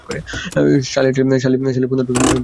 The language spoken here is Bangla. সালি বন্ধু-টন্ধু পাতায় না।